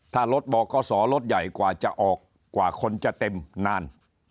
ถ้ารถบอกก็สอรถใหญ่กว่าจะออกกว่าคนจะเต็มนาน